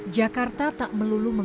jakarta tak melulu mengumpulkan